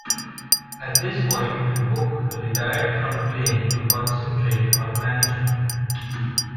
At this point Book retired from playing to concentrate on management.